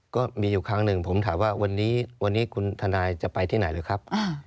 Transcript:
ก็มีอยู่ครั้งหนึ่งผมถามว่าวันนี้วันนี้คุณทนายจะไปที่ไหนหรือครับ